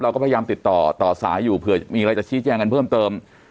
เราก็พยายามติดต่อต่อสายอยู่เผื่อมีอะไรจะชี้แจ้งกันเพิ่มเติม